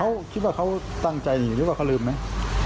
เขารีบเล่นไปเลยอะได้เสียงเอียดไปเลยเยอะ